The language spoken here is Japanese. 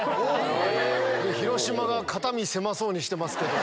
広島が肩身狭そうにしてますけど。